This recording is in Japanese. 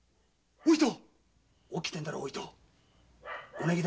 お糸。